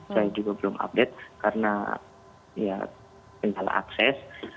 saya juga belum update karena tidak ada akses